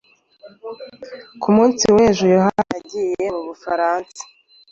ku munsi w'ejo, john yagiye mu bufaransa